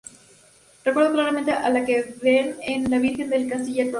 Recuerdan claramente a las que se ven en "La Virgen del Canciller Rolin".